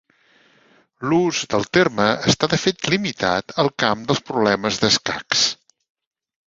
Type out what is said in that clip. L'ús del terme està de fet limitat al camp dels problemes d'escacs.